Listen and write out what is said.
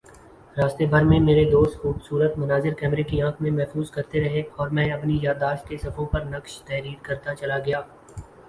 راستے بھر میں میرے دوست خوبصورت مناظر کیمرے کی آنکھ میں محفوظ کرتے رہے اور میں اپنی یادداشت کے صفحوں پر نقش تحریر کرتاچلا گیا